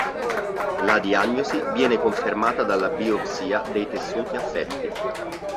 La diagnosi viene confermata dalla biopsia dei tessuti affetti.